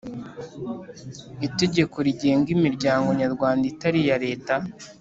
Itegeko rigenga imiryango Nyarwanda itari iya Leta.